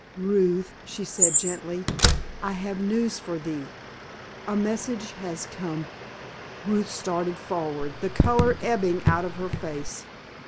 "Ruth," she said gently, "I have news for thee. A message has come——" Ruth started forward, the color ebbing out of her face.